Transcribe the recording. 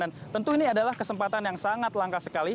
dan tentu ini adalah kesempatan yang sangat langka sekali